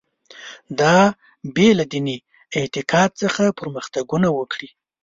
دا بې له دیني اعتقاد څخه پرمختګونه وکړي.